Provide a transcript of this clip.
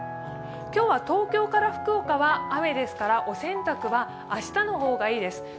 今日は東京から福岡は雨ですからお洗濯は明日の方がいいです。